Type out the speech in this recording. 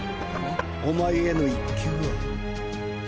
お前への一球は。